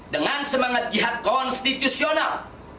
dengan semangat jihad konstitusional